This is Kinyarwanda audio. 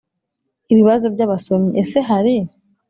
Ibibazo by abasomyi Ese hari